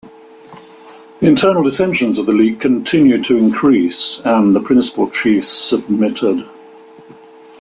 The internal dissensions of the league continued to increase, and the principal chiefs submitted.